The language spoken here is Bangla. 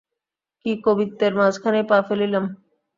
কী কবিত্বের মাঝখানেই পা ফেলিলাম।